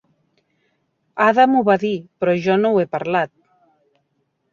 Ada m'ho va dir, però jo no he parlat.